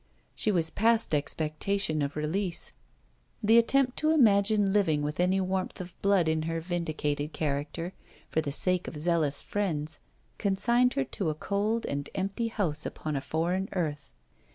She was past expectation of release. The attempt to imagine living with any warmth of blood in her vindicated character, for the sake of zealous friends, consigned her to a cold and empty house upon a foreign earth.